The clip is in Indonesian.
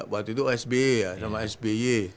waktu itu sby ya sama sby